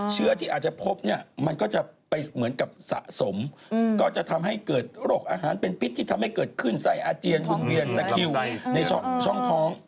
เชื้อที่อาจจะพบเนี่ยมันก็จะไปเหมือนกับสะสมก็จะทำให้เกิดโรคอาหารเป็นพิษที่ทำให้เกิดขึ้นไส้อาเจียนตะคิวในช่องท้อง